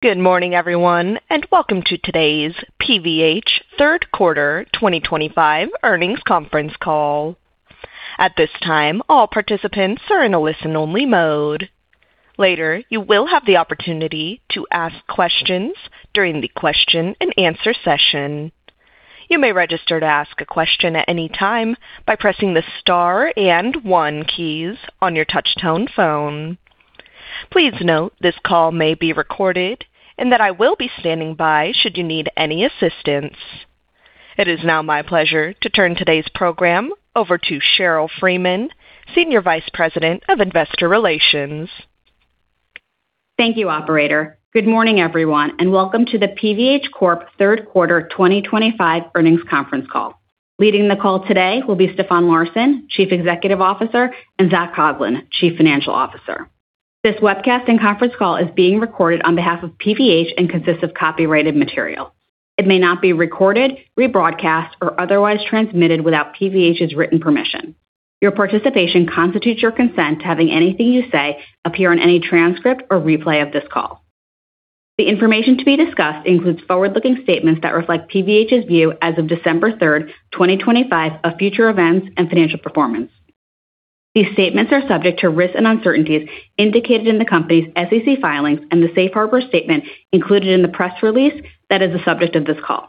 Good morning, everyone, and welcome to today's PVH third quarter 2025 earnings conference call. At this time, all participants are in a listen-only mode. Later, you will have the opportunity to ask questions during the question-and-answer session. You may register to ask a question at any time by pressing the star and one keys on your touch-tone phone. Please note this call may be recorded and that I will be standing by should you need any assistance. It is now my pleasure to turn today's program over to Sheryl Freeman, Senior Vice President of Investor Relations. Thank you, Operator. Good morning, everyone, and welcome to the PVH Corp. third quarter 2025 earnings conference call. Leading the call today will be Stefan Larsson, Chief Executive Officer, and Zac Coughlin, Chief Financial Officer. This webcast and conference call is being recorded on behalf of PVH and consists of copyrighted material. It may not be recorded, rebroadcast, or otherwise transmitted without PVH's written permission. Your participation constitutes your consent to having anything you say appear on any transcript or replay of this call. The information to be discussed includes forward-looking statements that reflect PVH's view as of December 3rd, 2025, of future events and financial performance. These statements are subject to risks and uncertainties indicated in the company's SEC filings and the safe harbor statement included in the press release that is the subject of this call.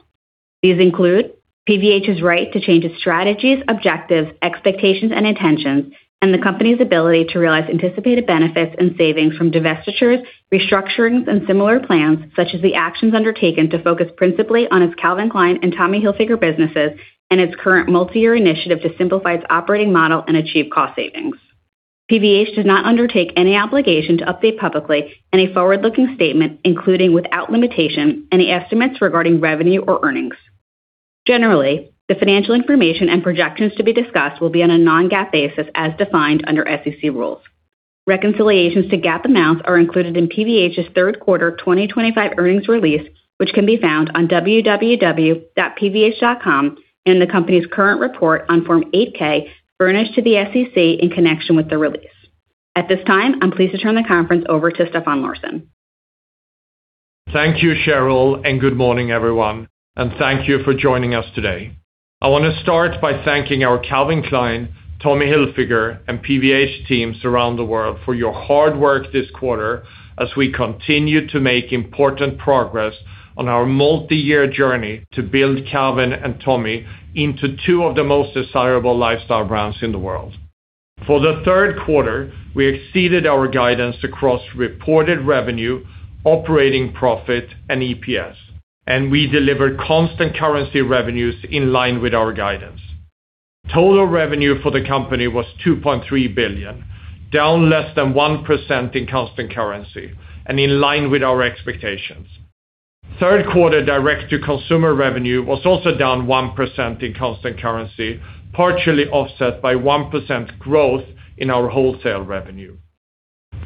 These include PVH's right to change its strategies, objectives, expectations, and intentions, and the company's ability to realize anticipated benefits and savings from divestitures, restructurings, and similar plans, such as the actions undertaken to focus principally on its Calvin Klein and Tommy Hilfiger businesses and its current multi-year initiative to simplify its operating model and achieve cost savings. PVH does not undertake any obligation to update publicly any forward-looking statement, including without limitation, any estimates regarding revenue or earnings. Generally, the financial information and projections to be discussed will be on a non-GAAP basis as defined under SEC rules. Reconciliations to GAAP amounts are included in PVH's third quarter 2025 earnings release, which can be found on www.pvh.com and the company's current report on Form 8-K furnished to the SEC in connection with the release. At this time, I'm pleased to turn the conference over to Stefan Larsson. Thank you, Sheryl, and good morning, everyone, and thank you for joining us today. I want to start by thanking our Calvin Klein, Tommy Hilfiger, and PVH teams around the world for your hard work this quarter as we continue to make important progress on our multi-year journey to build Calvin and Tommy into two of the most desirable lifestyle brands in the world. For the third quarter, we exceeded our guidance across reported revenue, operating profit, and EPS, and we delivered constant currency revenues in line with our guidance. Total revenue for the company was $2.3 billion, down less than 1% in constant currency, and in line with our expectations. Third quarter direct-to-consumer revenue was also down 1% in constant currency, partially offset by 1% growth in our wholesale revenue.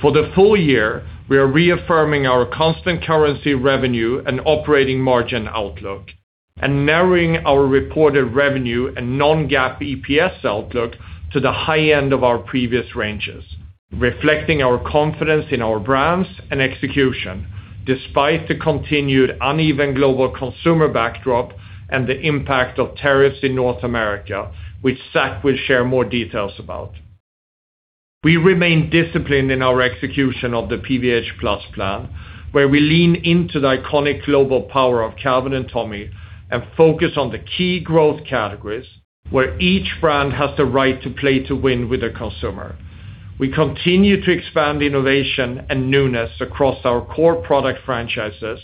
For the full year, we are reaffirming our constant currency revenue and operating margin outlook and narrowing our reported revenue and non-GAAP EPS outlook to the high end of our previous ranges, reflecting our confidence in our brands and execution despite the continued uneven global consumer backdrop and the impact of tariffs in North America, which Zac will share more details about. We remain disciplined in our execution of the PVH+ Plan, where we lean into the iconic global power of Calvin and Tommy and focus on the key growth categories where each brand has the right to play to win with the consumer. We continue to expand innovation and newness across our core product franchises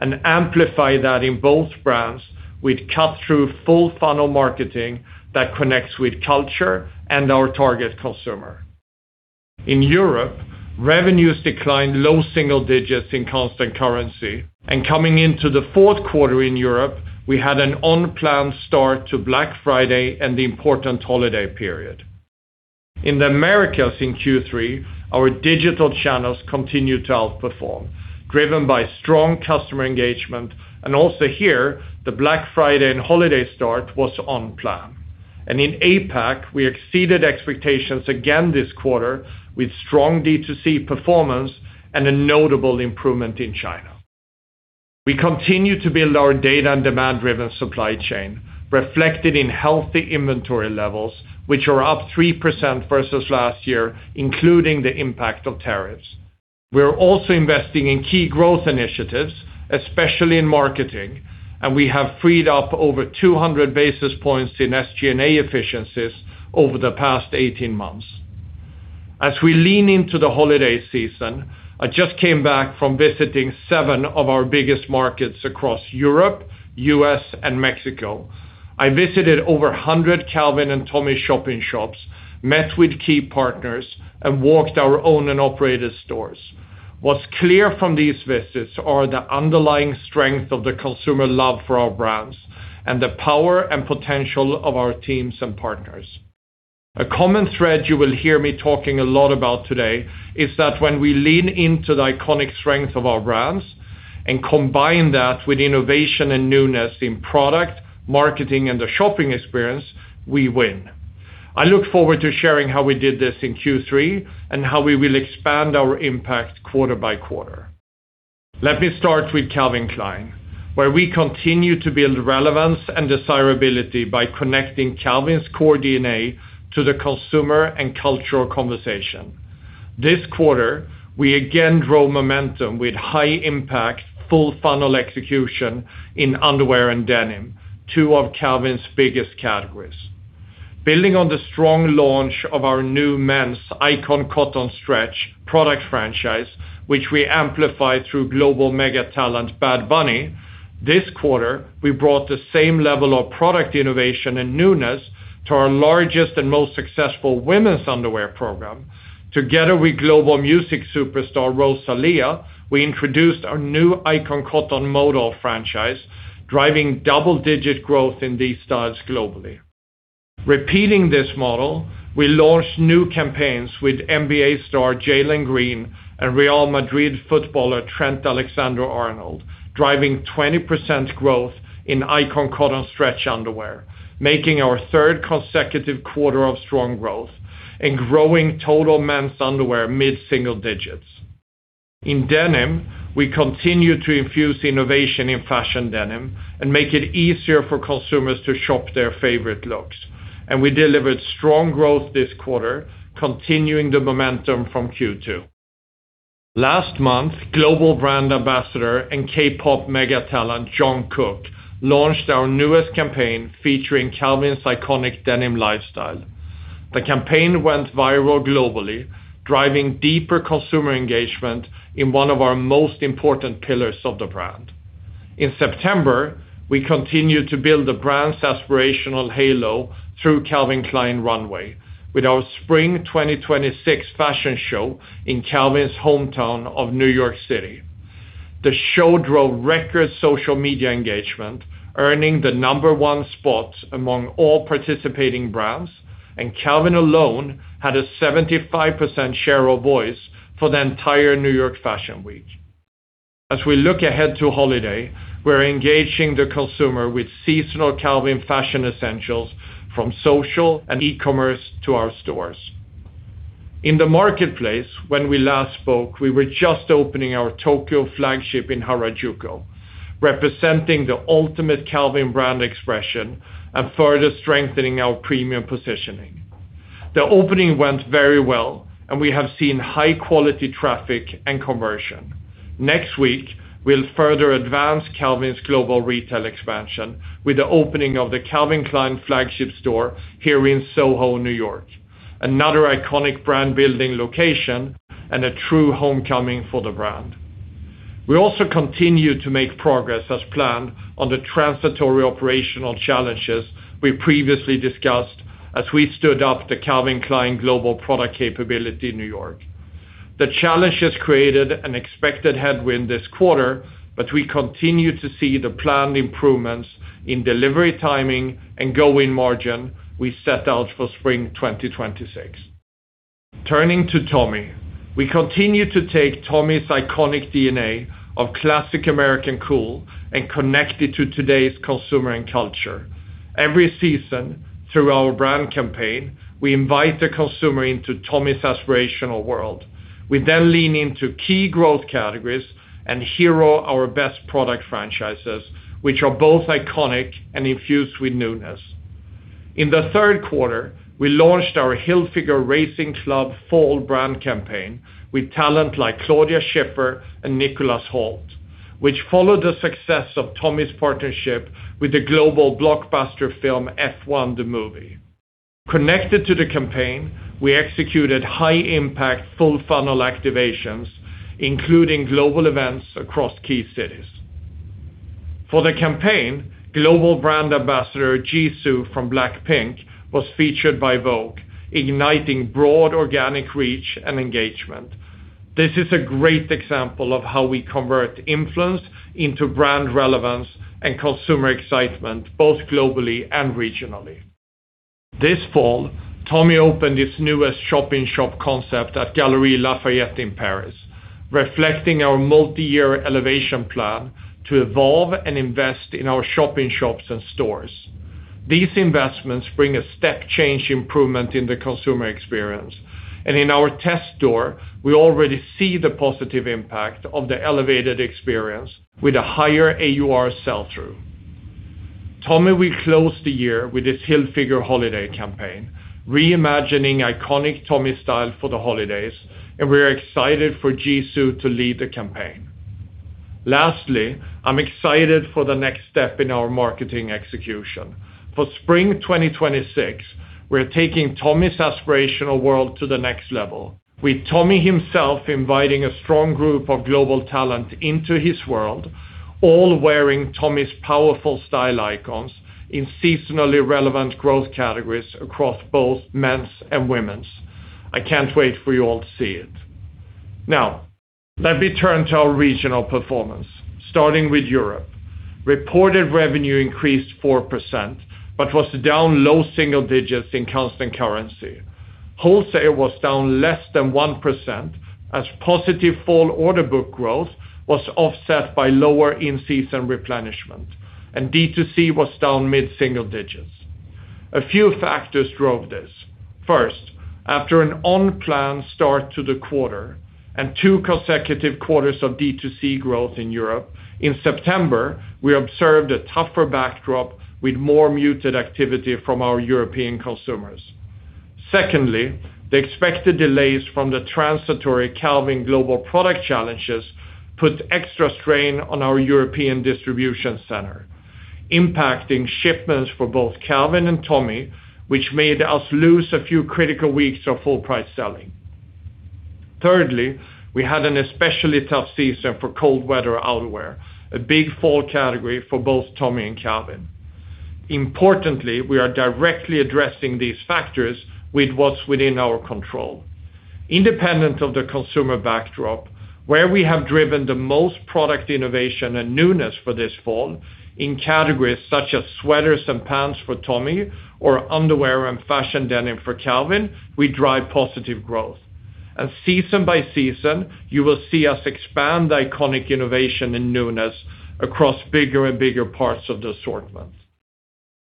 and amplify that in both brands with cut-through full-funnel marketing that connects with culture and our target consumer. In Europe, revenues declined low single digits in constant currency, and coming into the fourth quarter in Europe, we had an unplanned start to Black Friday and the important holiday period. In the Americas in Q3, our digital channels continued to outperform, driven by strong customer engagement, and also here, the Black Friday and holiday start was on plan, and in APAC, we exceeded expectations again this quarter with strong D2C performance and a notable improvement in China. We continue to build our data and demand-driven supply chain, reflected in healthy inventory levels, which are up 3% versus last year, including the impact of tariffs. We are also investing in key growth initiatives, especially in marketing, and we have freed up over 200 basis points in SG&A efficiencies over the past 18 months. As we lean into the holiday season, I just came back from visiting seven of our biggest markets across Europe, U.S., and Mexico. I visited over 100 Calvin and Tommy shop-in-shops, met with key partners, and walked our own and operators' stores. What's clear from these visits are the underlying strength of the consumer love for our brands and the power and potential of our teams and partners. A common thread you will hear me talking a lot about today is that when we lean into the iconic strength of our brands and combine that with innovation and newness in product, marketing, and the shopping experience, we win. I look forward to sharing how we did this in Q3 and how we will expand our impact quarter-by-quarter. Let me start with Calvin Klein, where we continue to build relevance and desirability by connecting Calvin's core DNA to the consumer and cultural conversation. This quarter, we again drove momentum with high-impact full-funnel execution in underwear and denim, two of Calvin's biggest categories. Building on the strong launch of our new men's Icon Cotton Stretch product franchise, which we amplified through global mega talent Bad Bunny, this quarter, we brought the same level of product innovation and newness to our largest and most successful women's underwear program. Together with global music superstar Rosalía, we introduced our new Icon Cotton Modal franchise, driving double-digit growth in these styles globally. Repeating this model, we launched new campaigns with NBA star Jalen Green and Real Madrid footballer Trent Alexander-Arnold, driving 20% growth in Icon Cotton Stretch underwear, making our third consecutive quarter of strong growth and growing total men's underwear mid-single digits. In denim, we continue to infuse innovation in fashion denim and make it easier for consumers to shop their favorite looks, and we delivered strong growth this quarter, continuing the momentum from Q2. Last month, global brand ambassador and K-pop mega talent Jungkook launched our newest campaign featuring Calvin's iconic denim lifestyle. The campaign went viral globally, driving deeper consumer engagement in one of our most important pillars of the brand. In September, we continued to build the brand's aspirational halo through Calvin Klein Runway with our Spring 2026 fashion show in Calvin's hometown of New York City. The show drove record social media engagement, earning the number one spot among all participating brands, and Calvin alone had a 75% share of voice for the entire New York Fashion Week. As we look ahead to holiday, we're engaging the consumer with seasonal Calvin fashion essentials from social and e-commerce to our stores. In the marketplace, when we last spoke, we were just opening our Tokyo flagship in Harajuku, representing the ultimate Calvin brand expression and further strengthening our premium positioning. The opening went very well, and we have seen high-quality traffic and conversion. Next week, we'll further advance Calvin's global retail expansion with the opening of the Calvin Klein flagship store here in Soho, New York, another iconic brand-building location and a true homecoming for the brand. We also continue to make progress as planned on the transitory operational challenges we previously discussed as we stood up the Calvin Klein global product capability in New York. The challenges created an expected headwind this quarter, but we continue to see the planned improvements in delivery timing and gross margin we set out for spring 2026. Turning to Tommy, we continue to take Tommy's iconic DNA of classic American cool and connect it to today's consumer and culture. Every season, through our brand campaign, we invite the consumer into Tommy's aspirational world. We then lean into key growth categories and hero our best product franchises, which are both iconic and infused with newness. In the third quarter, we launched our Hilfiger Racing Club Fall brand campaign with talent like Claudia Schiffer and Nicholas Hoult, which followed the success of Tommy's partnership with the global blockbuster film F1: The Movie. Connected to the campaign, we executed high-impact full-funnel activations, including global events across key cities. For the campaign, global brand ambassador Jisoo from BLACKPINK was featured by Vogue, igniting broad organic reach and engagement. This is a great example of how we convert influence into brand relevance and consumer excitement, both globally and regionally. This fall, Tommy opened its newest shop-in-shop concept at Galeries Lafayette in Paris, reflecting our multi-year elevation plan to evolve and invest in our shop-in-shops and stores. These investments bring a step-change improvement in the consumer experience, and in our test store, we already see the positive impact of the elevated experience with a higher AUR sell-through. Tommy, we closed the year with this Hilfiger holiday campaign, reimagining iconic Tommy style for the holidays, and we're excited for Jisoo to lead the campaign. Lastly, I'm excited for the next step in our marketing execution. For spring 2026, we're taking Tommy's aspirational world to the next level, with Tommy himself inviting a strong group of global talent into his world, all wearing Tommy's powerful style icons in seasonally relevant growth categories across both men's and women's. I can't wait for you all to see it. Now, let me turn to our regional performance, starting with Europe. Reported revenue increased 4% but was down low single digits in constant currency. Wholesale was down less than 1% as positive fall order book growth was offset by lower in-season replenishment, and D2C was down mid-single digits. A few factors drove this. First, after an unplanned start to the quarter and two consecutive quarters of D2C growth in Europe, in September, we observed a tougher backdrop with more muted activity from our European consumers. Secondly, the expected delays from the transitory Calvin global product challenges put extra strain on our European distribution center, impacting shipments for both Calvin and Tommy, which made us lose a few critical weeks of full-price selling. Thirdly, we had an especially tough season for cold-weather outerwear, a big fall category for both Tommy and Calvin. Importantly, we are directly addressing these factors with what's within our control. Independent of the consumer backdrop, where we have driven the most product innovation and newness for this fall in categories such as sweaters and pants for Tommy or underwear and fashion denim for Calvin, we drive positive growth, and season by season, you will see us expand iconic innovation and newness across bigger and bigger parts of the assortment.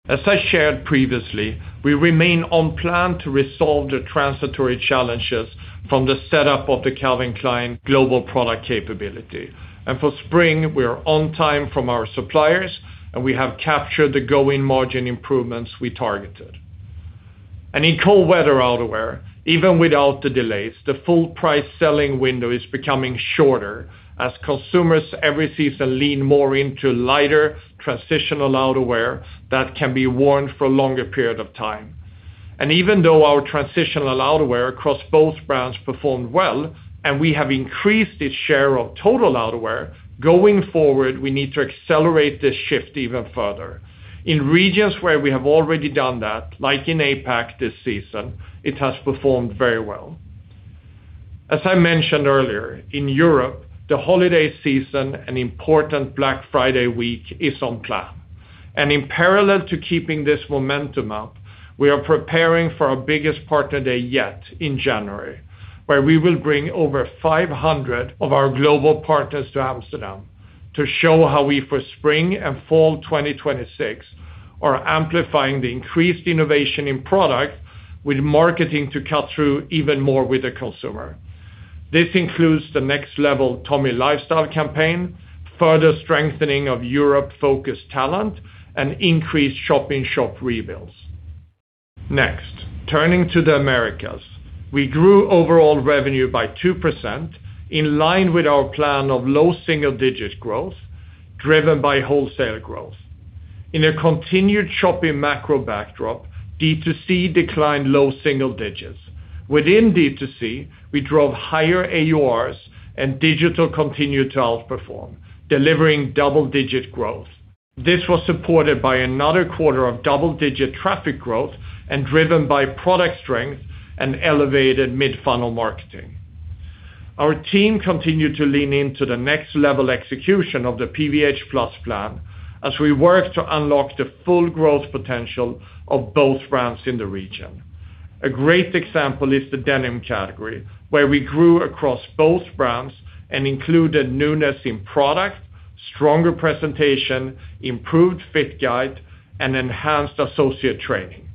As I shared previously, we remain on plan to resolve the transitory challenges from the setup of the Calvin Klein global product capability. And for spring, we are on time from our suppliers, and we have captured the ongoing margin improvements we targeted. And in cold-weather outerwear, even without the delays, the full-price selling window is becoming shorter as consumers every season lean more into lighter transitional outerwear that can be worn for a longer period of time. And even though our transitional outerwear across both brands performed well and we have increased its share of total outerwear, going forward, we need to accelerate this shift even further. In regions where we have already done that, like in APAC this season, it has performed very well. As I mentioned earlier, in Europe, the holiday season and important Black Friday week is on plan. In parallel to keeping this momentum up, we are preparing for our biggest partner day yet in January, where we will bring over 500 of our global partners to Amsterdam to show how we for spring and fall 2026 are amplifying the increased innovation in product with marketing to cut through even more with the consumer. This includes the next-level Tommy lifestyle campaign, further strengthening of Europe-focused talent, and increased shop-in-shop rebuilds. Next, turning to the Americas, we grew overall revenue by 2% in line with our plan of low single-digit growth driven by wholesale growth. In a continued challenging macro backdrop, D2C declined low single digits. Within D2C, we drove higher AURs and digital continued to outperform, delivering double-digit growth. This was supported by another quarter of double-digit traffic growth and driven by product strength and elevated mid-funnel marketing. Our team continued to lean into the next-level execution of the PVH+ Plan as we work to unlock the full growth potential of both brands in the region. A great example is the denim category, where we grew across both brands and included newness in product, stronger presentation, improved fit guide, and enhanced associate training.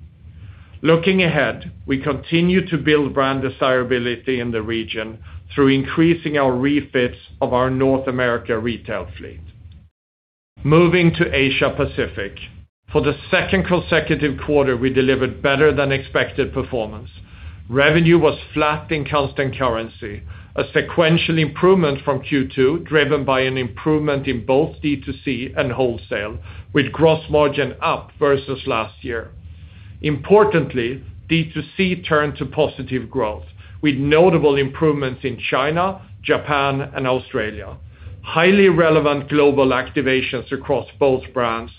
Looking ahead, we continue to build brand desirability in the region through increasing our refits of our North America retail fleet. Moving to Asia Pacific, for the second consecutive quarter, we delivered better-than-expected performance. Revenue was flat in constant currency, a sequential improvement from Q2 driven by an improvement in both D2C and wholesale, with gross margin up versus last year. Importantly, D2C turned to positive growth, with notable improvements in China, Japan, and Australia. Highly relevant global activations across both brands,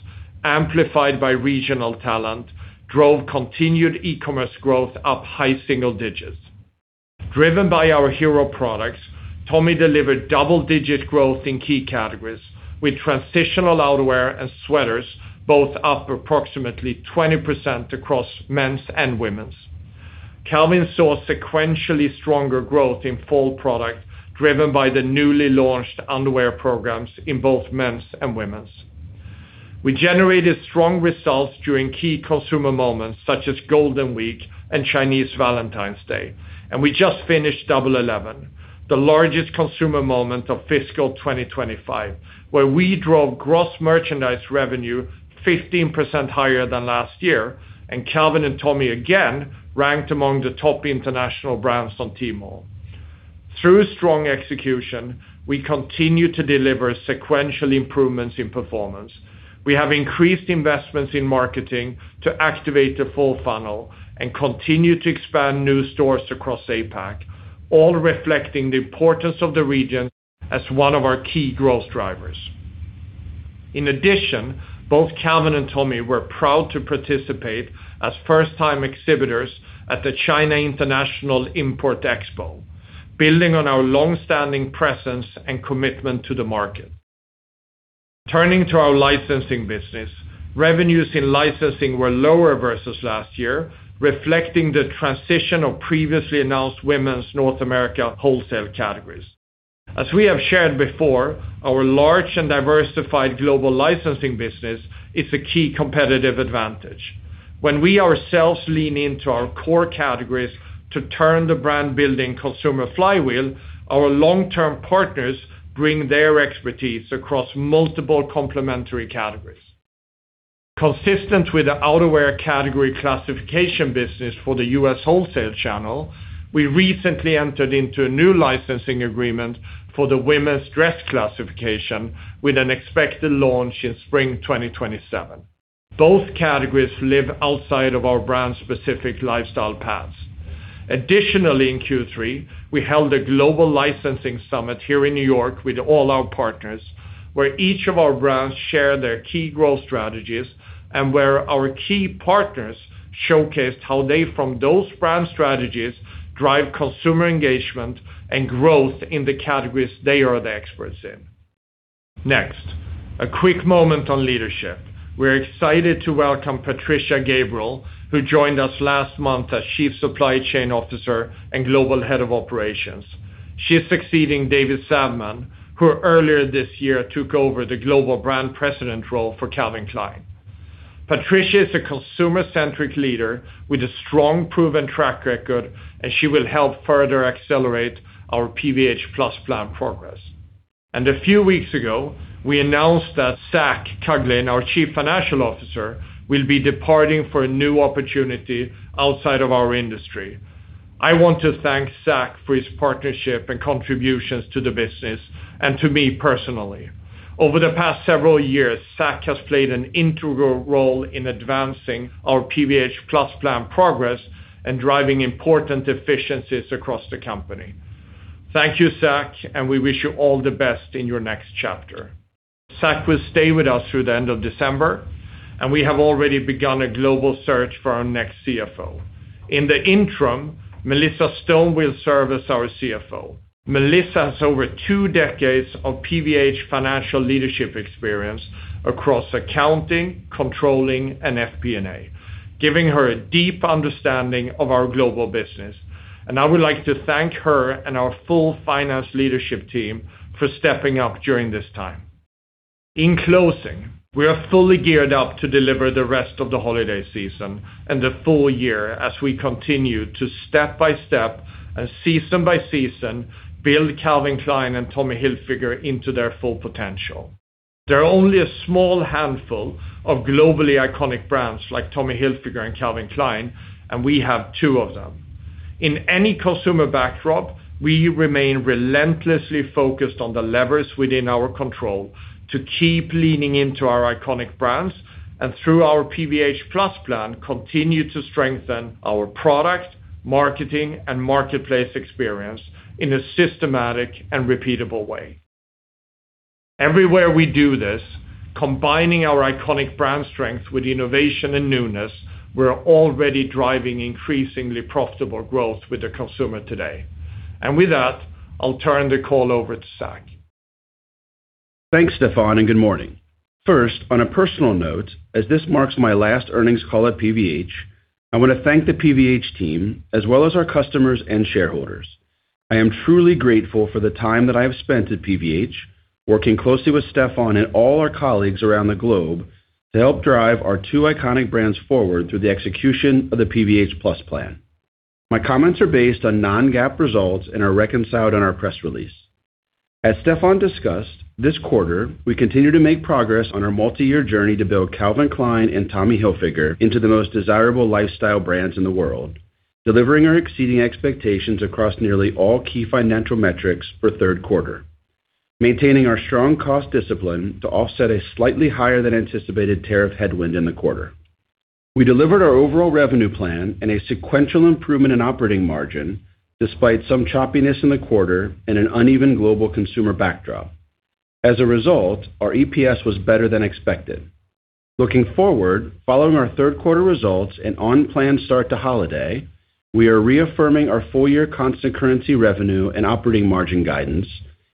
amplified by regional talent, drove continued e-commerce growth up high single digits. Driven by our hero products, Tommy delivered double-digit growth in key categories with transitional outerwear and sweaters, both up approximately 20% across men's and women's. Calvin saw sequentially stronger growth in fall product driven by the newly launched underwear programs in both men's and women's. We generated strong results during key consumer moments such as Golden Week and Chinese Valentine's Day, and we just finished Double 11, the largest consumer moment of fiscal 2025, where we drove gross merchandise revenue 15% higher than last year, and Calvin and Tommy again ranked among the top international brands on Tmall. Through strong execution, we continue to deliver sequential improvements in performance. We have increased investments in marketing to activate the full funnel and continue to expand new stores across APAC, all reflecting the importance of the region as one of our key growth drivers. In addition, both Calvin and Tommy were proud to participate as first-time exhibitors at the China International Import Expo, building on our long-standing presence and commitment to the market. Turning to our licensing business, revenues in licensing were lower versus last year, reflecting the transition of previously announced women's North America wholesale categories. As we have shared before, our large and diversified global licensing business is a key competitive advantage. When we ourselves lean into our core categories to turn the brand-building consumer flywheel, our long-term partners bring their expertise across multiple complementary categories. Consistent with the outerwear category classification business for the U.S. wholesale channel, we recently entered into a new licensing agreement for the women's dress classification with an expected launch in spring 2027. Both categories live outside of our brand-specific lifestyle paths. Additionally, in Q3, we held a global licensing summit here in New York with all our partners, where each of our brands shared their key growth strategies and where our key partners showcased how they, from those brand strategies, drive consumer engagement and growth in the categories they are the experts in. Next, a quick moment on leadership. We're excited to welcome Patricia Gabriel, who joined us last month as Chief Supply Chain Officer and Global Head of Operations. She's succeeding David Savman, who earlier this year took over the Global Brand President role for Calvin Klein. Patricia is a consumer-centric leader with a strong proven track record, and she will help further accelerate our PVH+ Plan progress. A few weeks ago, we announced that Zac Coughlin, our Chief Financial Officer, will be departing for a new opportunity outside of our industry. I want to thank Zac for his partnership and contributions to the business and to me personally. Over the past several years, Zac has played an integral role in advancing our PVH+ Plan progress and driving important efficiencies across the company. Thank you, Zac, and we wish you all the best in your next chapter. Zac will stay with us through the end of December, and we have already begun a global search for our next CFO. In the interim, Melissa Stone will serve as our CFO. Melissa has over two decades of PVH financial leadership experience across accounting, controlling, and FP&A, giving her a deep understanding of our global business, and I would like to thank her and our full finance leadership team for stepping up during this time. In closing, we are fully geared up to deliver the rest of the holiday season and the full year as we continue to step by step and season by season build Calvin Klein and Tommy Hilfiger into their full potential. There are only a small handful of globally iconic brands like Tommy Hilfiger and Calvin Klein, and we have two of them. In any consumer backdrop, we remain relentlessly focused on the levers within our control to keep leaning into our iconic brands and through our PVH+ Plan continue to strengthen our product, marketing, and marketplace experience in a systematic and repeatable way. Everywhere we do this, combining our iconic brand strength with innovation and newness, we're already driving increasingly profitable growth with the consumer today. And with that, I'll turn the call over to Zac. Thanks, Stefan, and good morning. First, on a personal note, as this marks my last earnings call at PVH, I want to thank the PVH team as well as our customers and shareholders. I am truly grateful for the time that I have spent at PVH, working closely with Stefan and all our colleagues around the globe to help drive our two iconic brands forward through the execution of the PVH+ Plan. My comments are based on non-GAAP results and are reconciled on our press release. As Stefan discussed, this quarter, we continue to make progress on our multi-year journey to build Calvin Klein and Tommy Hilfiger into the most desirable lifestyle brands in the world, delivering our exceeding expectations across nearly all key financial metrics for third quarter, maintaining our strong cost discipline to offset a slightly higher-than-anticipated tariff headwind in the quarter. We delivered our overall revenue plan and a sequential improvement in operating margin despite some choppiness in the quarter and an uneven global consumer backdrop. As a result, our EPS was better than expected. Looking forward, following our third quarter results and on-plan start to holiday, we are reaffirming our full-year constant currency revenue and operating margin guidance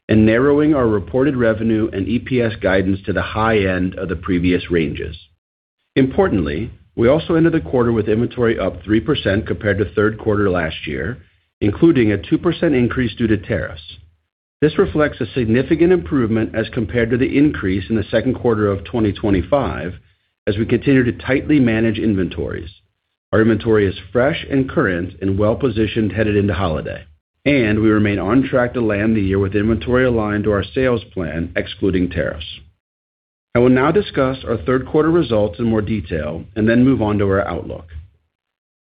and narrowing our reported revenue and EPS guidance to the high end of the previous ranges. Importantly, we also ended the quarter with inventory up 3% compared to third quarter last year, including a 2% increase due to tariffs. This reflects a significant improvement as compared to the increase in the second quarter of 2025 as we continue to tightly manage inventories. Our inventory is fresh and current and well-positioned headed into holiday, and we remain on track to land the year with inventory aligned to our sales plan, excluding tariffs. I will now discuss our third quarter results in more detail and then move on to our outlook.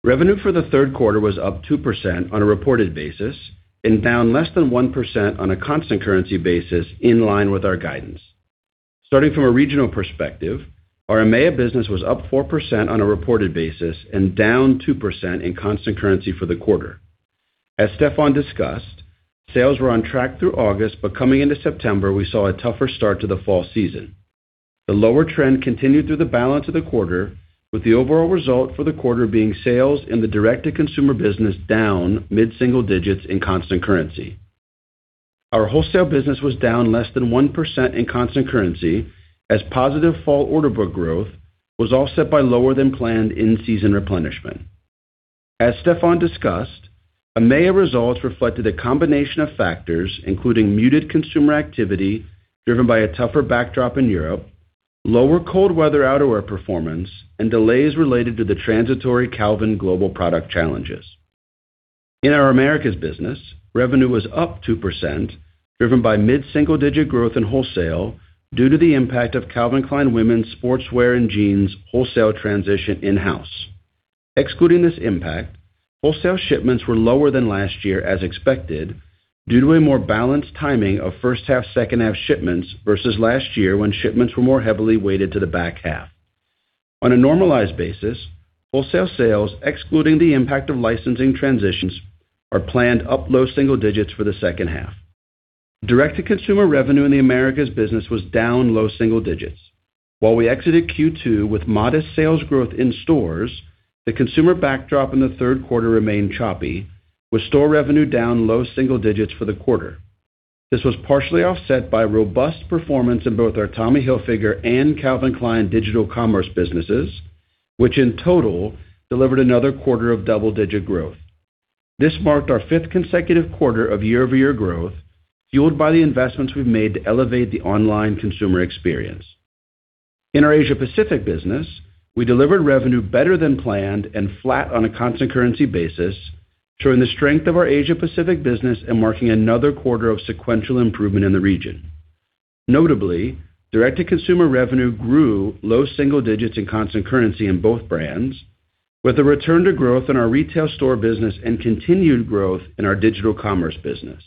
Revenue for the third quarter was up 2% on a reported basis and down less than 1% on a constant currency basis in line with our guidance. Starting from a regional perspective, our EMEA business was up 4% on a reported basis and down 2% in constant currency for the quarter. As Stefan discussed, sales were on track through August, but coming into September, we saw a tougher start to the fall season. The lower trend continued through the balance of the quarter, with the overall result for the quarter being sales in the direct-to-consumer business down mid-single digits in constant currency. Our wholesale business was down less than 1% in constant currency as positive fall order book growth was offset by lower-than-planned in-season replenishment. As Stefan discussed, EMEA results reflected a combination of factors, including muted consumer activity driven by a tougher backdrop in Europe, lower cold weather outerwear performance, and delays related to the transitory Calvin Klein product challenges. In our Americas business, revenue was up 2%, driven by mid-single digit growth in wholesale due to the impact of Calvin Klein women's sportswear and jeans wholesale transition in-house. Excluding this impact, wholesale shipments were lower than last year as expected due to a more balanced timing of first-half, second-half shipments versus last year when shipments were more heavily weighted to the back half. On a normalized basis, wholesale sales, excluding the impact of licensing transitions, are planned up low single digits for the second half. Direct-to-consumer revenue in the Americas business was down low single digits. While we exited Q2 with modest sales growth in stores, the consumer backdrop in the third quarter remained choppy, with store revenue down low single digits for the quarter. This was partially offset by robust performance in both our Tommy Hilfiger and Calvin Klein digital commerce businesses, which in total delivered another quarter of double-digit growth. This marked our fifth consecutive quarter of year-over-year growth, fueled by the investments we've made to elevate the online consumer experience. In our Asia Pacific business, we delivered revenue better than planned and flat on a constant currency basis, due to the strength of our Asia Pacific business, and marking another quarter of sequential improvement in the region. Notably, direct-to-consumer revenue grew low single digits in constant currency in both brands, with a return to growth in our retail store business and continued growth in our digital commerce business.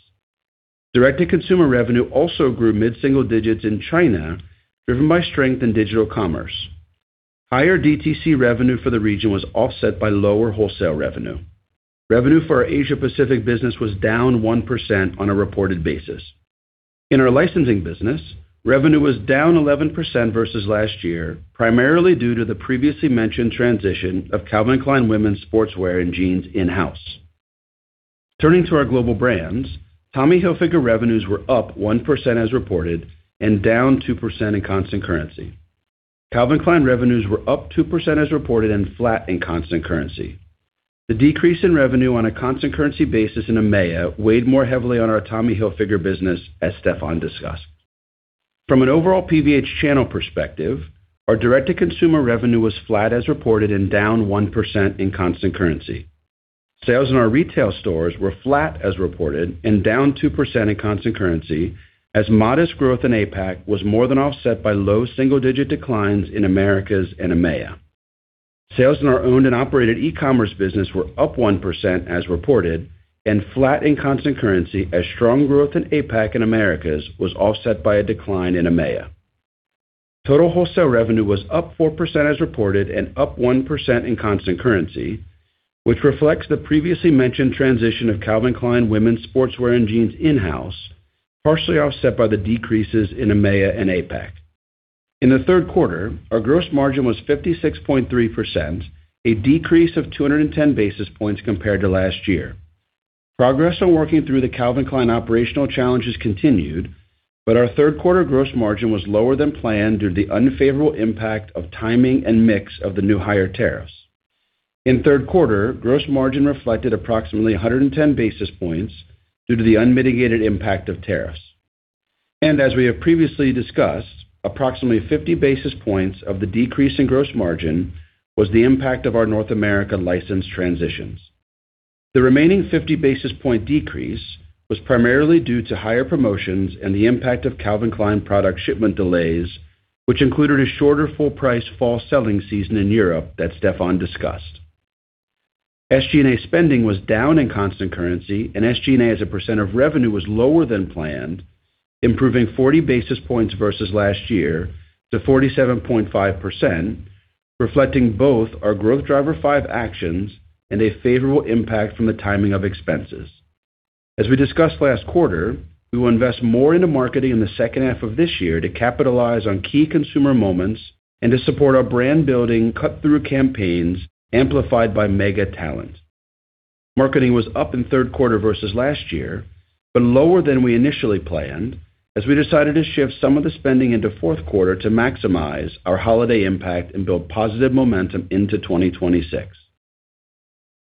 Direct-to-consumer revenue also grew mid-single digits in China, driven by strength in digital commerce. Higher DTC revenue for the region was offset by lower wholesale revenue. Revenue for our Asia Pacific business was down 1% on a reported basis. In our licensing business, revenue was down 11% versus last year, primarily due to the previously mentioned transition of Calvin Klein women's sportswear and jeans in-house. Turning to our global brands, Tommy Hilfiger revenues were up 1% as reported and down 2% in constant currency. Calvin Klein revenues were up 2% as reported and flat in constant currency. The decrease in revenue on a constant currency basis in EMEA weighed more heavily on our Tommy Hilfiger business, as Stefan discussed. From an overall PVH channel perspective, our direct-to-consumer revenue was flat as reported and down 1% in constant currency. Sales in our retail stores were flat as reported and down 2% in constant currency, as modest growth in APAC was more than offset by low single-digit declines in Americas and EMEA. Sales in our owned and operated e-commerce business were up 1% as reported and flat in constant currency, as strong growth in APAC and Americas was offset by a decline in EMEA. Total wholesale revenue was up 4% as reported and up 1% in constant currency, which reflects the previously mentioned transition of Calvin Klein women's sportswear and jeans in-house, partially offset by the decreases in EMEA and APAC. In the third quarter, our gross margin was 56.3%, a decrease of 210 basis points compared to last year. Progress on working through the Calvin Klein operational challenges continued, but our third quarter gross margin was lower than planned due to the unfavorable impact of timing and mix of the new higher tariffs. In third quarter, gross margin reflected approximately 110 basis points due to the unmitigated impact of tariffs. As we have previously discussed, approximately 50 basis points of the decrease in gross margin was the impact of our North America license transitions. The remaining 50 basis point decrease was primarily due to higher promotions and the impact of Calvin Klein product shipment delays, which included a shorter full-price fall selling season in Europe that Stefan discussed. SG&A spending was down in constant currency, and SG&A as a percent of revenue was lower than planned, improving 40 basis points versus last year to 47.5%, reflecting both our Growth Driver 5 actions and a favorable impact from the timing of expenses. As we discussed last quarter, we will invest more into marketing in the second half of this year to capitalize on key consumer moments and to support our brand-building cut-through campaigns amplified by mega talent. Marketing was up in third quarter versus last year, but lower than we initially planned, as we decided to shift some of the spending into fourth quarter to maximize our holiday impact and build positive momentum into 2026.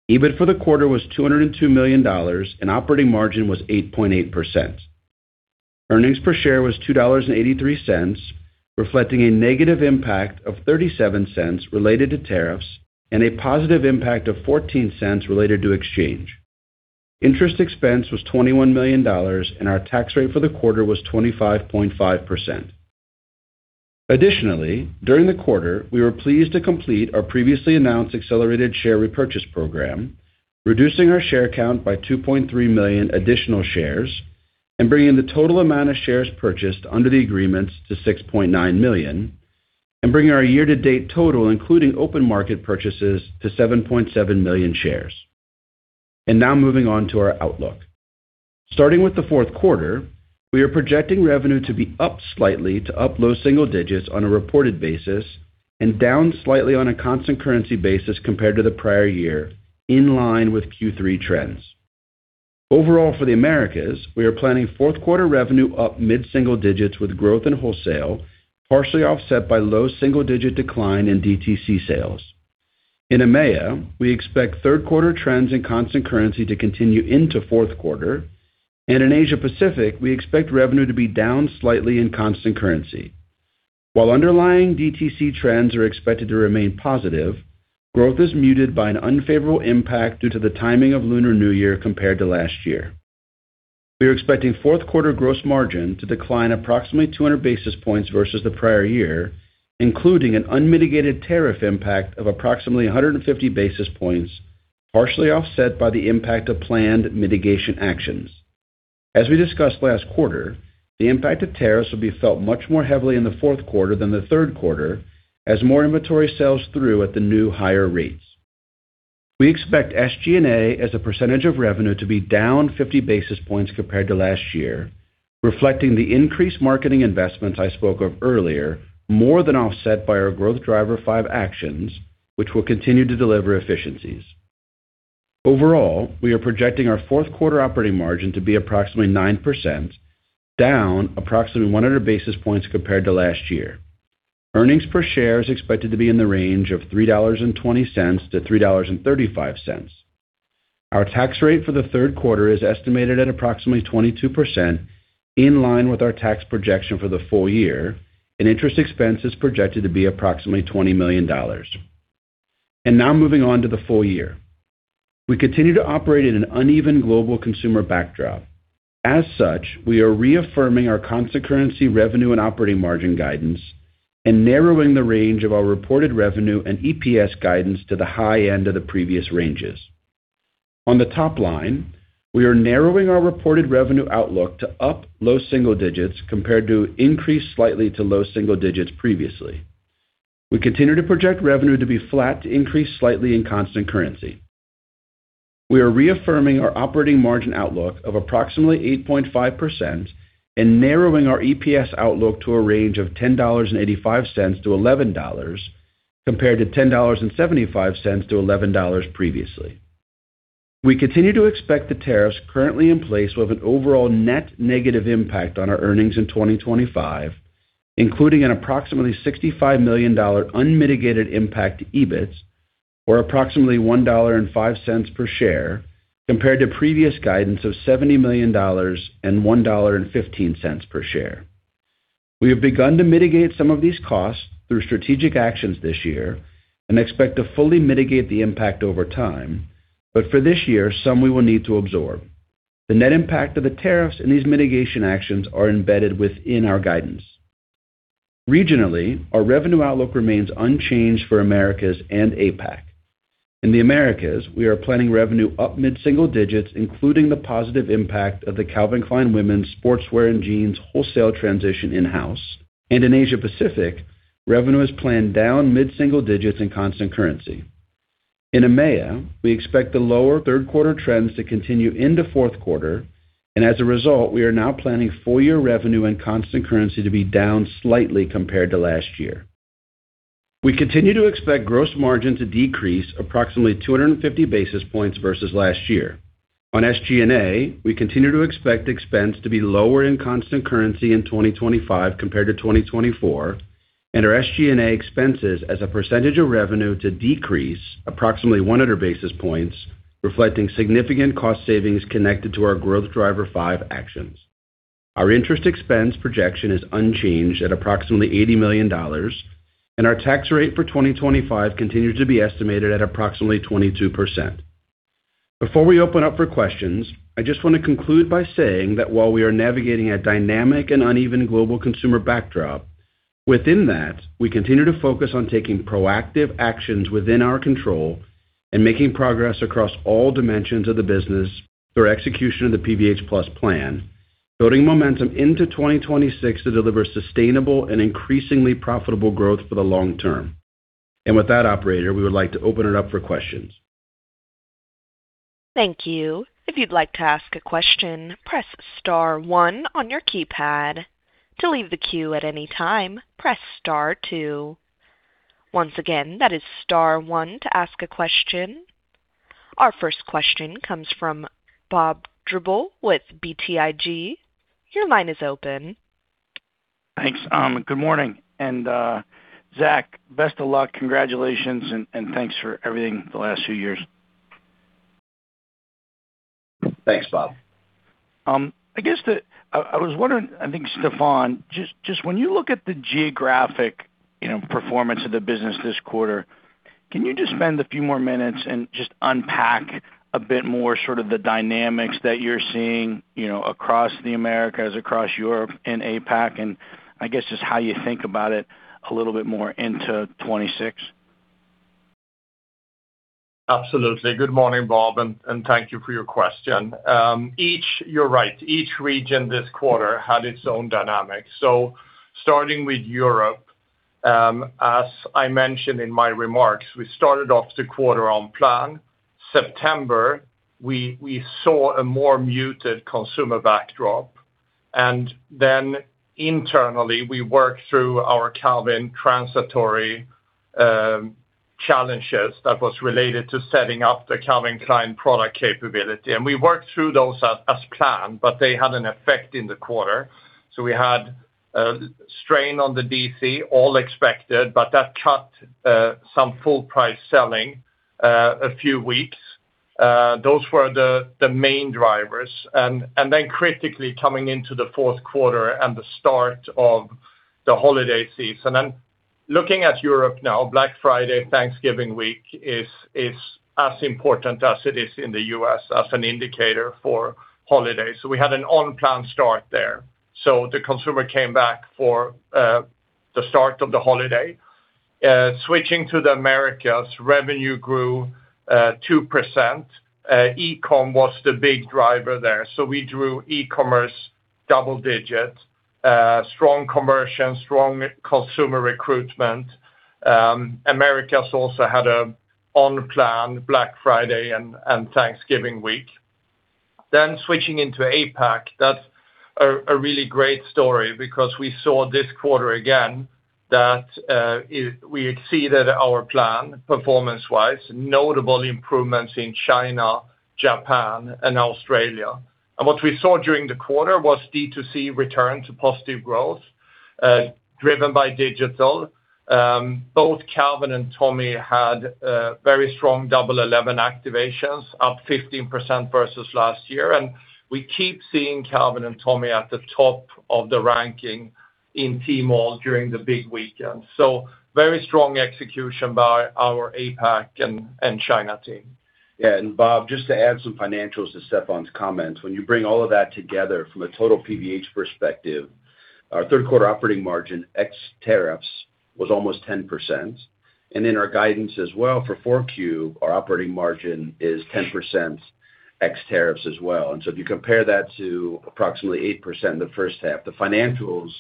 EBIT for the quarter was $202 million, and operating margin was 8.8%. Earnings per share was $2.83, reflecting a negative impact of $0.37 related to tariffs and a positive impact of $0.14 related to exchange. Interest expense was $21 million, and our tax rate for the quarter was 25.5%. Additionally, during the quarter, we were pleased to complete our previously announced accelerated share repurchase program, reducing our share count by 2.3 million additional shares and bringing the total amount of shares purchased under the agreements to 6.9 million, and bringing our year-to-date total, including open market purchases, to 7.7 million shares. And now moving on to our outlook. Starting with the fourth quarter, we are projecting revenue to be up slightly to up low single digits on a reported basis and down slightly on a constant currency basis compared to the prior year, in line with Q3 trends. Overall, for the Americas, we are planning fourth quarter revenue up mid-single digits with growth in wholesale, partially offset by low single-digit decline in DTC sales. In EMEA, we expect third quarter trends in constant currency to continue into fourth quarter, and in Asia Pacific, we expect revenue to be down slightly in constant currency. While underlying DTC trends are expected to remain positive, growth is muted by an unfavorable impact due to the timing of Lunar New Year compared to last year. We are expecting fourth quarter gross margin to decline approximately 200 basis points versus the prior year, including an unmitigated tariff impact of approximately 150 basis points, partially offset by the impact of planned mitigation actions. As we discussed last quarter, the impact of tariffs will be felt much more heavily in the fourth quarter than the third quarter, as more inventory sells through at the new higher rates. We expect SG&A as a percentage of revenue to be down 50 basis points compared to last year, reflecting the increased marketing investments I spoke of earlier, more than offset by our Growth Driver 5 actions, which will continue to deliver efficiencies. Overall, we are projecting our fourth quarter operating margin to be approximately 9%, down approximately 100 basis points compared to last year. Earnings per share is expected to be in the range of $3.20 to $3.35. Our tax rate for the third quarter is estimated at approximately 22%, in line with our tax projection for the full year, and interest expense is projected to be approximately $20 million. Now moving on to the full year. We continue to operate in an uneven global consumer backdrop. As such, we are reaffirming our constant currency revenue and operating margin guidance and narrowing the range of our reported revenue and EPS guidance to the high end of the previous ranges. On the top line, we are narrowing our reported revenue outlook to up low single digits compared to increased slightly to low single digits previously. We continue to project revenue to be flat to increase slightly in constant currency. We are reaffirming our operating margin outlook of approximately 8.5% and narrowing our EPS outlook to a range of $10.85-$11 compared to $10.75-$11 previously. We continue to expect the tariffs currently in place will have an overall net negative impact on our earnings in 2025, including an approximately $65 million unmitigated impact to EBITs, or approximately $1.05 per share, compared to previous guidance of $70 million and $1.15 per share. We have begun to mitigate some of these costs through strategic actions this year and expect to fully mitigate the impact over time, but for this year, some we will need to absorb. The net impact of the tariffs and these mitigation actions are embedded within our guidance. Regionally, our revenue outlook remains unchanged for Americas and APAC. In the Americas, we are planning revenue up mid-single digits, including the positive impact of the Calvin Klein women's sportswear and jeans wholesale transition in-house, and in Asia Pacific, revenue is planned down mid-single digits in constant currency. In EMEA, we expect the lower third quarter trends to continue into fourth quarter, and as a result, we are now planning full-year revenue in constant currency to be down slightly compared to last year. We continue to expect gross margin to decrease approximately 250 basis points versus last year. On SG&A, we continue to expect expense to be lower in constant currency in 2025 compared to 2024, and our SG&A expenses as a percentage of revenue to decrease approximately 100 basis points, reflecting significant cost savings connected to our Growth Driver 5 actions. Our interest expense projection is unchanged at approximately $80 million, and our tax rate for 2025 continues to be estimated at approximately 22%. Before we open up for questions, I just want to conclude by saying that while we are navigating a dynamic and uneven global consumer backdrop, within that, we continue to focus on taking proactive actions within our control and making progress across all dimensions of the business through execution of the PVH+ Plan, building momentum into 2026 to deliver sustainable and increasingly profitable growth for the long term. And with that, operator, we would like to open it up for questions. Thank you. If you'd like to ask a question, press star one on your keypad. To leave the queue at any time, press star two. Once again, that is star one to ask a question. Our first question comes from Bob Drbul with BTIG. Your line is open. Thanks. Good morning. And Zac, best of luck. Congratulations and thanks for everything the last few years. Thanks, Bob. I guess I was wondering, I think, Stefan, just when you look at the geographic performance of the business this quarter, can you just spend a few more minutes and just unpack a bit more sort of the dynamics that you're seeing across the Americas, across Europe in APAC, and I guess just how you think about it a little bit more into 2026? Absolutely. Good morning, Bob, and thank you for your question. You're right. Each region this quarter had its own dynamic. So starting with Europe, as I mentioned in my remarks, we started off the quarter on plan. September, we saw a more muted consumer backdrop. And then internally, we worked through our Calvin transitory challenges that were related to setting up the Calvin Klein product capability. And we worked through those as planned, but they had an effect in the quarter. We had strain on the DC, all expected, but that cut some full-price selling a few weeks. Those were the main drivers. And then critically, coming into the fourth quarter and the start of the holiday season. And looking at Europe now, Black Friday, Thanksgiving week is as important as it is in the U.S. as an indicator for holidays. So we had an on-plan start there. So the consumer came back for the start of the holiday. Switching to the Americas, revenue grew 2%. e-com was the big driver there. So we grew e-commerce double-digit, strong conversion, strong consumer recruitment. Americas also had an on-plan Black Friday and Thanksgiving week. Then switching into APAC, that's a really great story because we saw this quarter again that we exceeded our plan performance-wise, notable improvements in China, Japan, and Australia. And what we saw during the quarter was D2C return to positive growth, driven by digital. Both Calvin and Tommy had very strong Double 11 activations, up 15% versus last year. And we keep seeing Calvin and Tommy at the top of the ranking in Tmall during the big weekend. So very strong execution by our APAC and China team. Yeah. And Bob, just to add some financials to Stefan's comments, when you bring all of that together from a total PVH perspective, our third-quarter operating margin ex tariffs was almost 10%. And in our guidance as well for 4Q, our operating margin is 10% ex tariffs as well. And so if you compare that to approximately 8% in the first half, the financials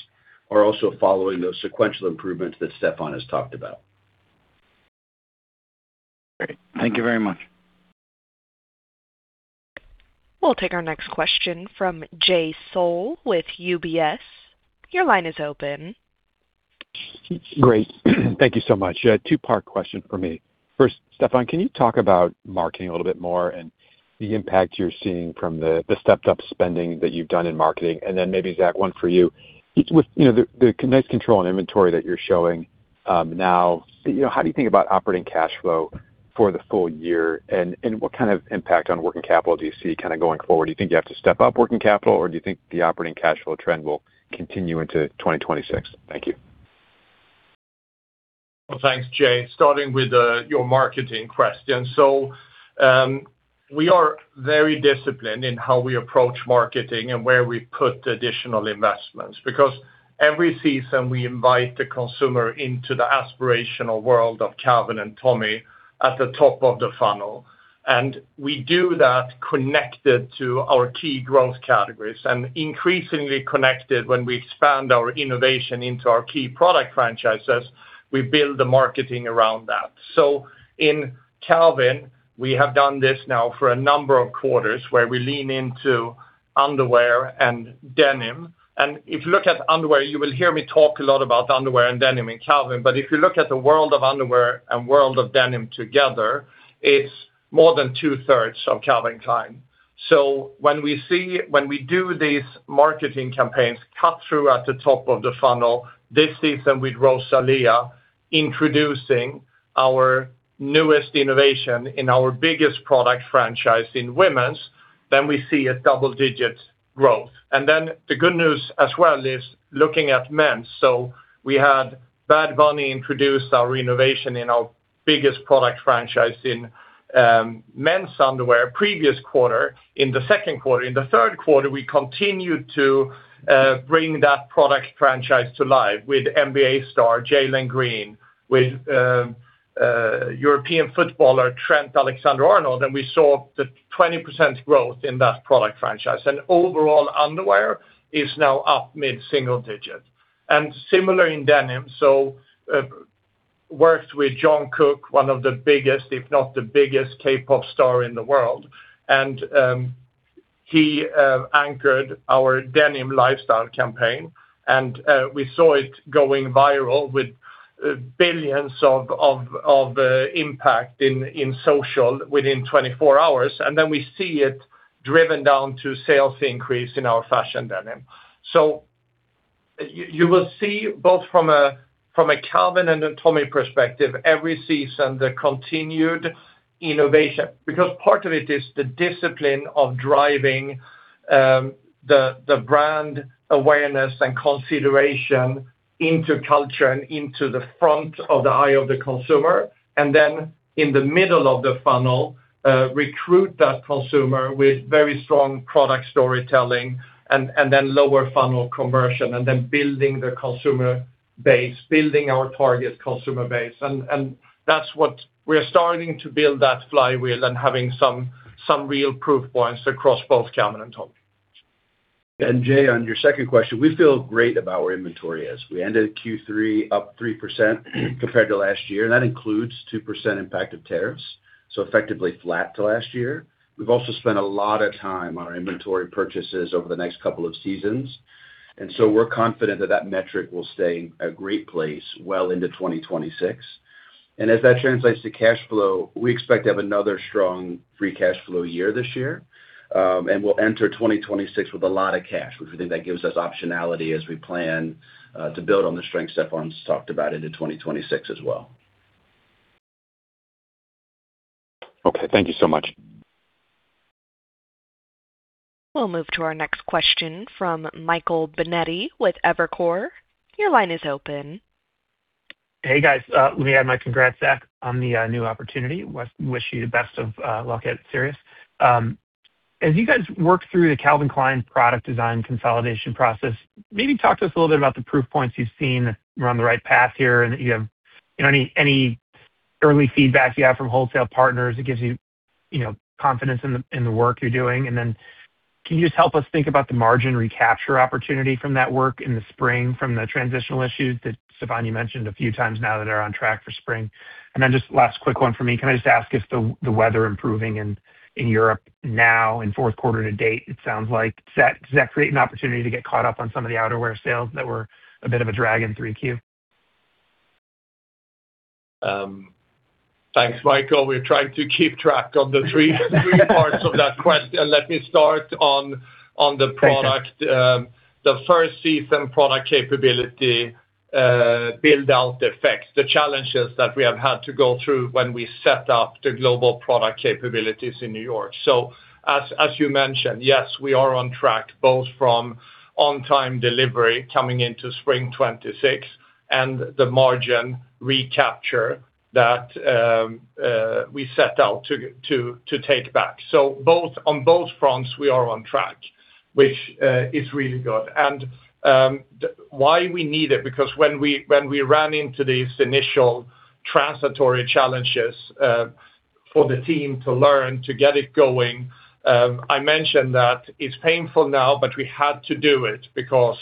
are also following those sequential improvements that Stefan has talked about. Great. Thank you very much. We'll take our next question from Jay Sole with UBS. Your line is open. Great. Thank you so much. Two-part question for me. First, Stefan, can you talk about marketing a little bit more and the impact you're seeing from the stepped-up spending that you've done in marketing? And then maybe, Zac, one for you. With the nice control on inventory that you're showing now, how do you think about operating cash flow for the full year? And what kind of impact on working capital do you see kind of going forward? Do you think you have to step up working capital, or do you think the operating cash flow trend will continue into 2026? Thank you. Well, thanks, Jay. Starting with your marketing question. So we are very disciplined in how we approach marketing and where we put additional investments because every season, we invite the consumer into the aspirational world of Calvin and Tommy at the top of the funnel. And we do that connected to our key growth categories and increasingly connected when we expand our innovation into our key product franchises, we build the marketing around that. So in Calvin, we have done this now for a number of quarters where we lean into underwear and denim. And if you look at underwear, you will hear me talk a lot about underwear and denim in Calvin. But if you look at the world of underwear and world of denim together, it's more than 2/3 of Calvin Klein. So when we do these marketing campaigns cut through at the top of the funnel, this season with Rosalía, introducing our newest innovation in our biggest product franchise in women's, then we see a double-digit growth. And then the good news as well is looking at men's. So we had Bad Bunny introduce our innovation in our biggest product franchise in men's underwear previous quarter. In the second quarter, in the third quarter, we continued to bring that product franchise to life with NBA star Jalen Green, with European footballer Trent Alexander-Arnold, and we saw the 20% growth in that product franchise. And overall, underwear is now up mid-single digit. And similar in denim, so worked with Jungkook, one of the biggest, if not the biggest K-pop star in the world. And he anchored our denim lifestyle campaign, and we saw it going viral with billions of impact in social within 24 hours. And then we see it driven down to sales increase in our fashion denim. So you will see both from a Calvin and a Tommy perspective, every season, the continued innovation because part of it is the discipline of driving the brand awareness and consideration into culture and into the front of the eye of the consumer. And then in the middle of the funnel, recruit that consumer with very strong product storytelling and then lower funnel conversion and then building the consumer base, building our target consumer base. And that's what we're starting to build that flywheel and having some real proof points across both Calvin and Tommy. And Jay, on your second question, we feel great about where inventory is. We ended Q3 up 3% compared to last year, and that includes 2% impact of tariffs, so effectively flat to last year. We've also spent a lot of time on our inventory purchases over the next couple of seasons, and so we're confident that that metric will stay in a great place well into 2026. And as that translates to cash flow, we expect to have another strong free cash flow year this year, and we'll enter 2026 with a lot of cash, which we think that gives us optionality as we plan to build on the strength Stefan's talked about into 2026 as well. Okay. Thank you so much. We'll move to our next question from Michael Binetti with Evercore. Your line is open. Hey, guys. Let me add my congrats, Zac, on the new opportunity. Wish you the best of luck at SiriusXM. As you guys work through the Calvin Klein product design consolidation process, maybe talk to us a little bit about the proof points you've seen that we're on the right path here and that you have any early feedback you have from wholesale partners that gives you confidence in the work you're doing. And then can you just help us think about the margin recapture opportunity from that work in the spring from the transitional issues that Stefan, you mentioned a few times now that are on track for spring? And then just last quick one for me. Can I just ask if the weather improving in Europe now in fourth quarter to date, it sounds like, does that create an opportunity to get caught up on some of the outerwear sales that were a bit of a drag in 3Q? Thanks, Michael. We're trying to keep track of the three parts of that question. Let me start on the product. The first season product capability build-out effects, the challenges that we have had to go through when we set up the global product capabilities in New York. So as you mentioned, yes, we are on track both from on-time delivery coming into spring 2026 and the margin recapture that we set out to take back. So on both fronts, we are on track, which is really good. And why we need it? Because when we ran into these initial transitory challenges for the team to learn to get it going, I mentioned that it's painful now, but we had to do it because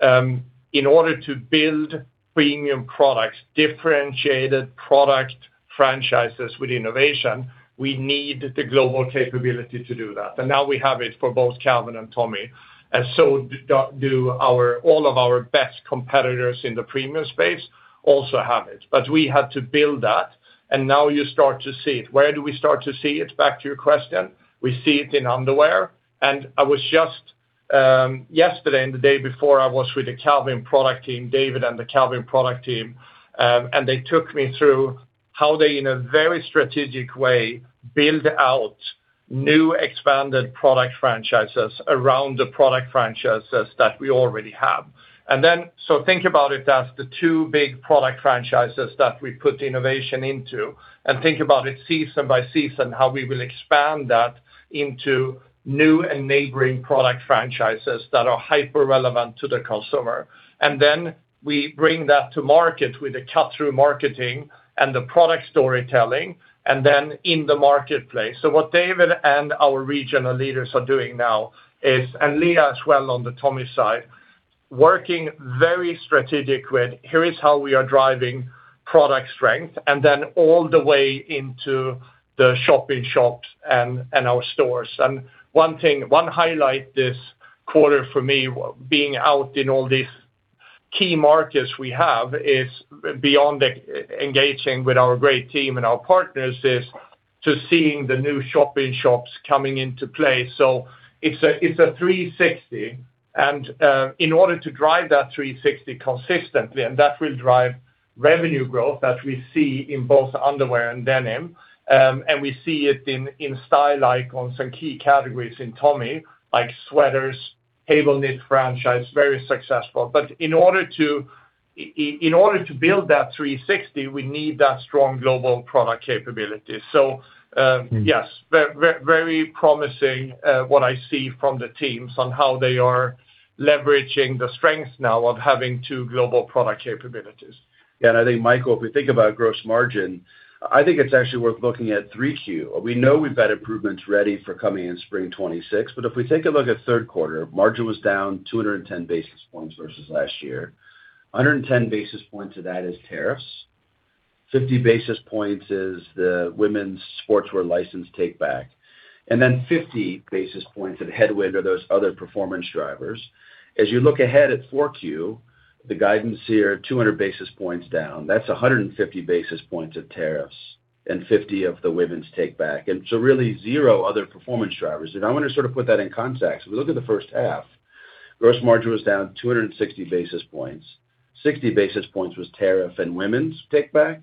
in order to build premium products, differentiated product franchises with innovation, we need the global capability to do that. And now we have it for both Calvin and Tommy. So do all of our best competitors in the premium space also have it. But we had to build that, and now you start to see it. Where do we start to see it? Back to your question, we see it in underwear. And I was just yesterday and the day before. I was with the Calvin product team, David and the Calvin product team, and they took me through how they, in a very strategic way, build out new expanded product franchises around the product franchises that we already have. And then so think about it as the two big product franchises that we put innovation into and think about it season by season, how we will expand that into new and neighboring product franchises that are hyper-relevant to the consumer. And then we bring that to market with the cut-through marketing and the product storytelling and then in the marketplace, so what David and our regional leaders are doing now is, and Lea as well on the Tommy side, working very strategic with, "Here is how we are driving product strength," and then all the way into the shop-in-shops and our stores, and one highlight this quarter for me, being out in all these key markets we have, is beyond engaging with our great team and our partners, is to see the new shop-in-shops coming into play, so it's a 360, and in order to drive that 360 consistently, and that will drive revenue growth that we see in both underwear and denim, and we see it in style icons and key categories in Tommy, like sweaters, cable-knit franchise, very successful. But in order to build that 360, we need that strong global product capability. So yes, very promising what I see from the teams on how they are leveraging the strength now of having two global product capabilities. Yeah. And I think, Michael, if we think about gross margin, I think it's actually worth looking at 3Q. We know we've got improvements ready for coming in spring 2026, but if we take a look at third quarter, margin was down 210 basis points versus last year. 110 basis points of that is tariffs. 50 basis points is the women's sportswear license take back. And then 50 basis points of headwind or those other performance drivers. As you look ahead at 4Q, the guidance here, 200 basis points down, that's 150 basis points of tariffs and 50 of the women's take back. And so really zero other performance drivers. And I want to sort of put that in context. If we look at the first half, gross margin was down 260 basis points. 60 basis points was tariff and women's take back.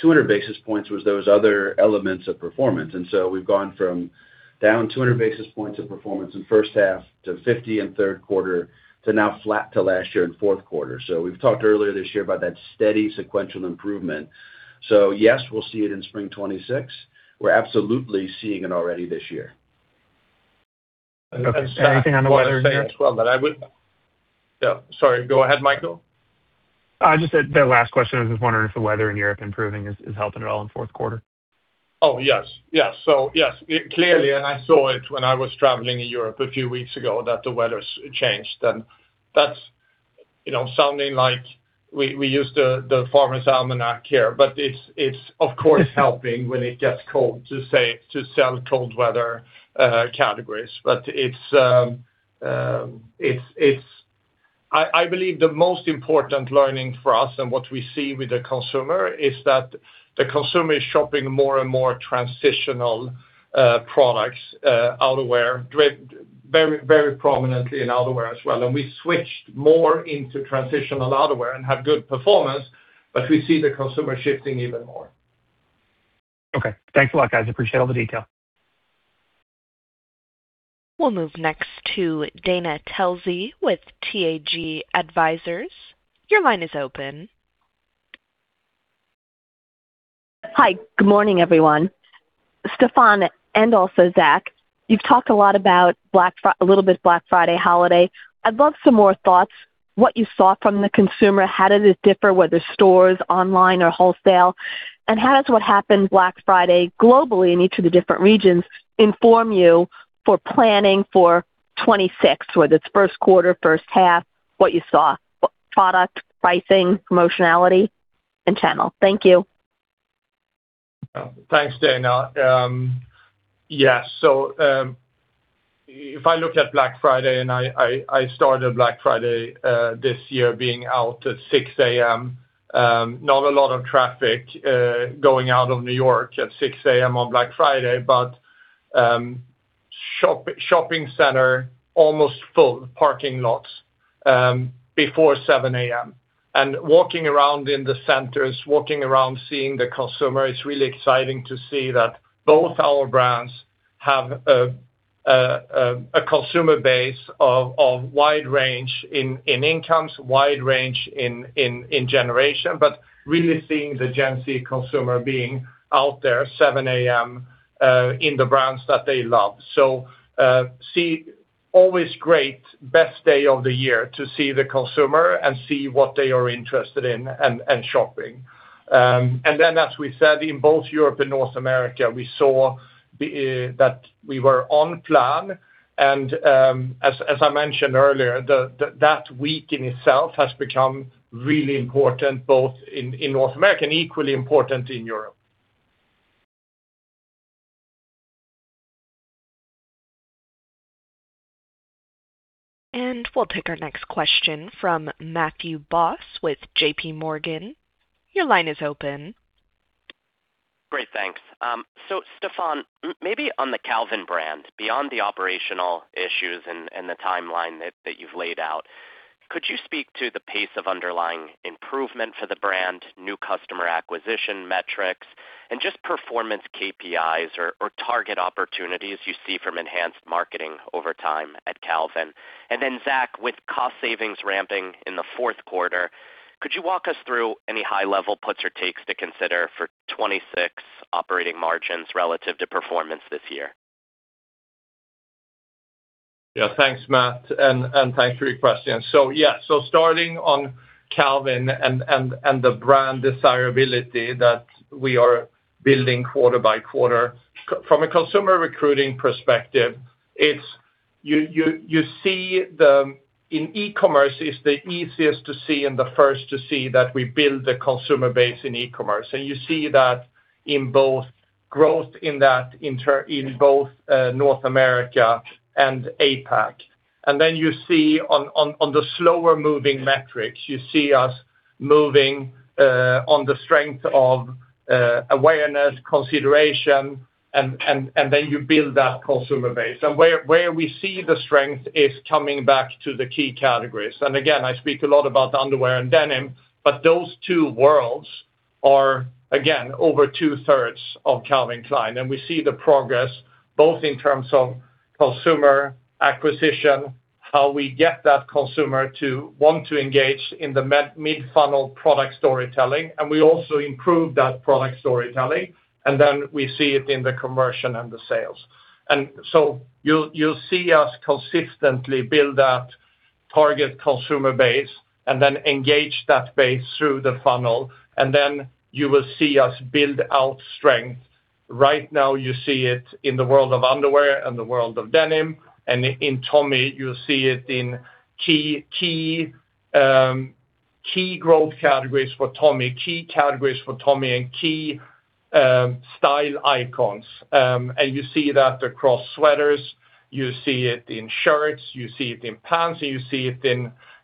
200 basis points was those other elements of performance. And so we've gone from down 200 basis points of performance in first half to 50 in third quarter to now flat to last year in fourth quarter. So we've talked earlier this year about that steady sequential improvement. So yes, we'll see it in spring 2026. We're absolutely seeing it already this year. Anything on the weather? Yeah. Sorry. Go ahead, Michael. I just said the last question was just wondering if the weather in Europe improving is helping at all in fourth quarter. Oh, yes. Yes. So, yes, clearly, and I saw it when I was traveling in Europe a few weeks ago that the weather changed. And that's sounding like we use the farmer's almanac here, but it's, of course, helping when it gets cold to sell cold weather categories. But I believe the most important learning for us and what we see with the consumer is that the consumer is shopping more and more transitional products, outerwear, very prominently in outerwear as well. And we switched more into transitional outerwear and had good performance, but we see the consumer shifting even more. Okay. Thanks a lot, guys. Appreciate all the detail. We'll move next to Dana Telsey with TAG Advisors. Your line is open. Hi. Good morning, everyone. Stefan and also Zac, you've talked a lot about a little bit Black Friday holiday. I'd love some more thoughts. What you saw from the consumer, how did it differ whether stores, online, or wholesale? And how does what happened Black Friday globally in each of the different regions inform you for planning for 2026, whether it's first quarter, first half, what you saw? Product, pricing, promotionality, and channel. Thank you. Thanks, Dana. Yes, so if I look at Black Friday, and I started Black Friday this year being out at 6:00 A.M., not a lot of traffic going out of New York at 6:00 A.M. on Black Friday, but shopping center almost full, parking lots before 7:00 A.M., and walking around in the centers, walking around seeing the consumer, it's really exciting to see that both our brands have a consumer base of wide range in incomes, wide range in generation, but really seeing the Gen Z consumer being out there 7:00 A.M. in the brands that they love. So, always great, best day of the year to see the consumer and see what they are interested in and shopping. And then, as we said, in both Europe and North America, we saw that we were on plan. And as I mentioned earlier, that week in itself has become really important both in North America and equally important in Europe. And we'll take our next question from Matthew Boss with JPMorgan. Your line is open. Great. Thanks. So Stefan, maybe on the Calvin brand, beyond the operational issues and the timeline that you've laid out, could you speak to the pace of underlying improvement for the brand, new customer acquisition metrics, and just performance KPIs or target opportunities you see from enhanced marketing over time at Calvin? Then, Zac, with cost savings ramping in the fourth quarter, could you walk us through any high-level puts or takes to consider for 2026 operating margins relative to performance this year? Yeah. Thanks, Matt. Thanks for your question. Yeah, so starting on Calvin and the brand desirability that we are building quarter-by-quarter, from a consumer recruiting perspective, you see in e-commerce, it's the easiest to see and the first to see that we build the consumer base in e-commerce. You see that in both growth in both North America and APAC. You see on the slower moving metrics, you see us moving on the strength of awareness, consideration, and then you build that consumer base. Where we see the strength is coming back to the key categories. And again, I speak a lot about the underwear and denim, but those two worlds are, again, over 2/3 of Calvin Klein. And we see the progress both in terms of consumer acquisition, how we get that consumer to want to engage in the mid-funnel product storytelling, and we also improve that product storytelling. And then we see it in the conversion and the sales. And so you'll see us consistently build that target consumer base and then engage that base through the funnel. And then you will see us build out strength. Right now, you see it in the world of underwear and the world of denim. And in Tommy, you'll see it in key growth categories for Tommy, key categories for Tommy, and key style icons. And you see that across sweaters. You see it in shirts. You see it in pants. You see it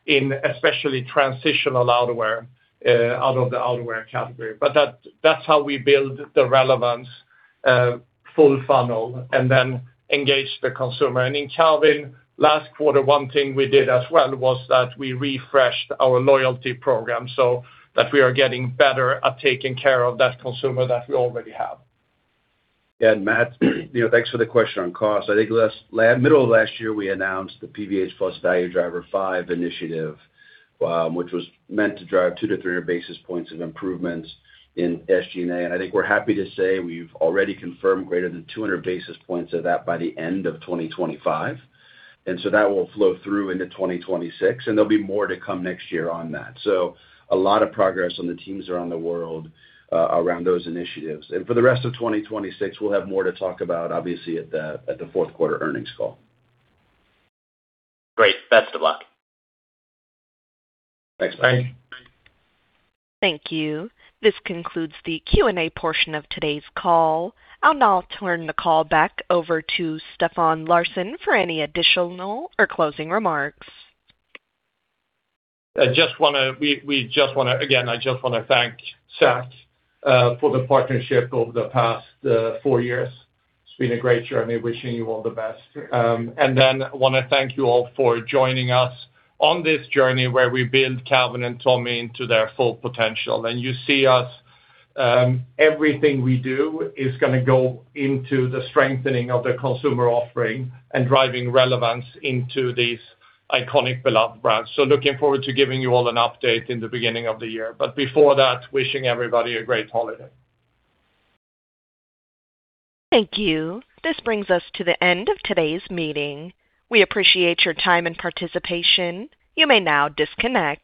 in especially transitional outerwear out of the outerwear category. But that's how we build the relevance, full funnel, and then engage the consumer. And in Calvin, last quarter, one thing we did as well was that we refreshed our loyalty program so that we are getting better at taking care of that consumer that we already have. Yeah. And Matt, thanks for the question on cost. I think middle of last year, we announced the PVH+ Value Driver 5 initiative, which was meant to drive 2 basis points-300 basis points of improvements in SG&A. And I think we're happy to say we've already confirmed greater than 200 basis points of that by the end of 2025. And so that will flow through into 2026. And there'll be more to come next year on that. So a lot of progress on the teams around the world around those initiatives. And for the rest of 2026, we'll have more to talk about, obviously, at the fourth quarter earnings call. Great. Best of luck. Thanks, Matt. Thank you. This concludes the Q&A portion of today's call. I'll now turn the call back over to Stefan Larsson for any additional or closing remarks. I just want to thank Zac for the partnership over the past four years. It's been a great journey. Wishing you all the best. And then I want to thank you all for joining us on this journey where we build Calvin and Tommy into their full potential. And you see us. Everything we do is going to go into the strengthening of the consumer offering and driving relevance into these iconic, beloved brands. So looking forward to giving you all an update in the beginning of the year. But before that, wishing everybody a great holiday. Thank you. This brings us to the end of today's meeting. We appreciate your time and participation. You may now disconnect.